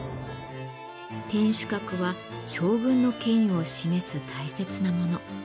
天守閣は将軍の権威を示す大切なもの。